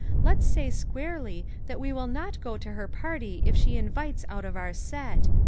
Let's say squarely that we will not go to her party if she invites out of our set.